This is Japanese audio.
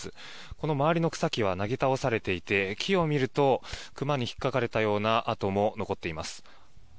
この周りの草木はなぎ倒されていて、木を見ると熊に引っかかれたような跡も残っています。